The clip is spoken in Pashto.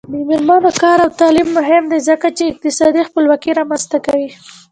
د میرمنو کار او تعلیم مهم دی ځکه چې اقتصادي خپلواکۍ رامنځته کوي.